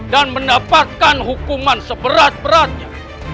dan mendapatkan hukuman seberat beratnya